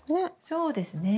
そうですね。